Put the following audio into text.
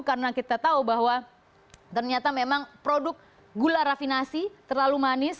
karena kita tahu bahwa ternyata memang produk gula rafinasi terlalu manis